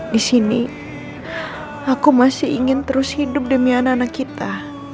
di sini aku masih ingin terus hidup demi anak anak kita